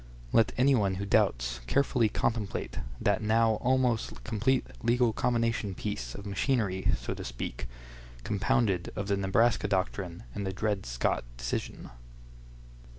Let any one who doubts carefully contemplate that now almost complete legal combination piece of machinery, so to speak—compounded of the Nebraska doctrine and the Dred Scott decision.